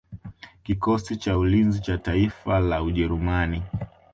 Kikosi cha ulinzi cha taifa la Ujerumani